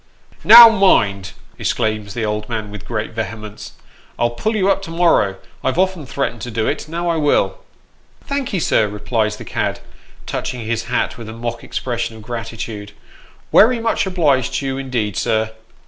" Now mind," exclaims the little old man, with great vehemence, " I'll pull you up to morrow ; I've often threatened to do it ; now I will." "Thank'ee, sir," replies the cad, touching his hat with a mock expression of gratitude ;" werry much obliged to you indeed, sir."